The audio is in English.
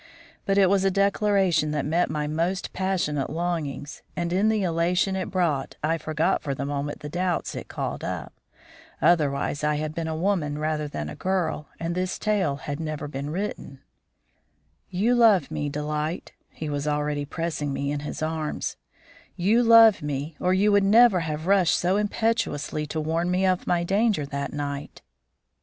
But it was a declaration that met my most passionate longings, and in the elation it brought I forgot for the moment the doubts it called up. Otherwise I had been a woman rather than a girl, and this tale had never been written. "You love me, Delight" (he was already pressing me in his arms), "you love me or you would never have rushed so impetuously to warn me of my danger that night.